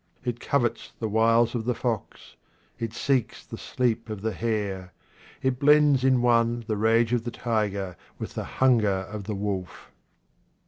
It covets the wiles of the fox ; it seeks the sleep of the hare ; it blends in one the rage of the tiger with the hunger of the wolf.